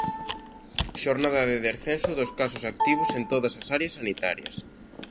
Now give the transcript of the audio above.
Xornada de descenso dos casos activos en todas as áreas sanitarias.